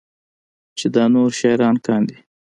چې دا نور شاعران کاندي